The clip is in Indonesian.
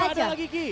apa ada lagi ki